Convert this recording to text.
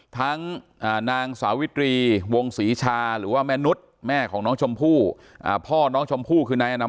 ครับทั้งนางสวิตรีวงศรีชาหรือว่าแม่นุษย์แม่ของน้องชมพู่